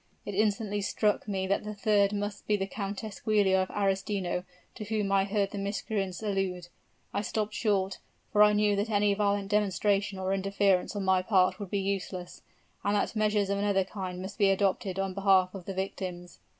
It instantly struck me that the third must be the Countess Giulia of Arestino to whom I heard the miscreants allude. I stopped short for I knew that any violent demonstration or interference on my part would be useless, and that measures of another kind must be adopted on behalf of the victims.